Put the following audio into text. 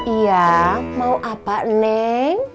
iya mau apa neng